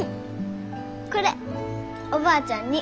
これおばあちゃんに。